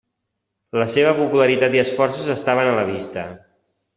La seva popularitat i esforços estaven a la vista.